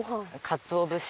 鰹節。